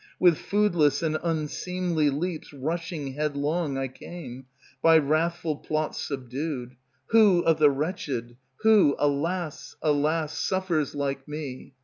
With foodless and unseemly leaps Rushing headlong, I came, By wrathful plots subdued. Who of the wretched, who, alas! alas! suffers like me?